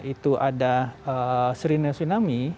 itu ada tsunami